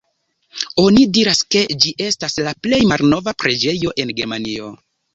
Oni diras ke ĝi estas la plej malnova preĝejo en Germanio.